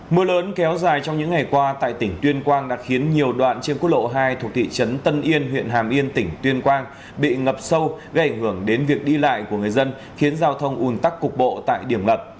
mưa lớn kéo dài trong những ngày qua tại tỉnh tuyên quang đã khiến nhiều đoạn trên quốc lộ hai thuộc thị trấn tân yên huyện hàm yên tỉnh tuyên quang bị ngập sâu gây ảnh hưởng đến việc đi lại của người dân khiến giao thông un tắc cục bộ tại điểm lật